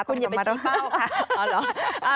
คุณอย่าไปจี๊บ้าวค่ะ